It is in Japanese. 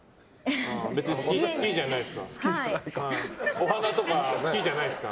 お花とか好きじゃないですか？